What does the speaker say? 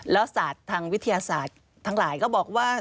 แล้วศาสตร์ทางวิทยาศาสตร์ทั้งหลายก็บอกว่า